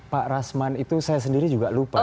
pak rasman itu saya sendiri juga lupa